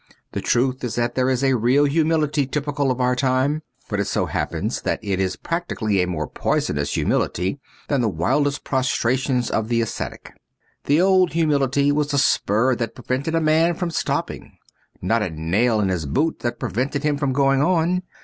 The truth is that there is a real humility typical of our time ; but it so happens that it is practically a more poisonous humility than the wildest prostrations of the ascetic. The old humility was a spur that prevented a man from stopping : not a nail in his boot that prevented him from going on.